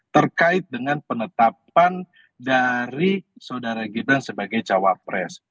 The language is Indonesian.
terkait dengan penetapan dari saudara gibran sebagai cawapres